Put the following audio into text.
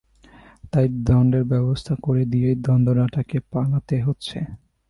তাই দণ্ডের ব্যবস্থা করে দিয়েই দণ্ডদাতাকে পালাতে হচ্ছে।